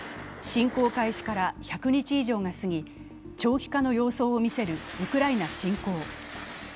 侵攻開始から１００日以上が過ぎ、長期化の様相を見せるウクライナ侵攻。